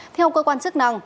theo cơ quan chức năng